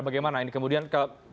bagaimana ini kemudian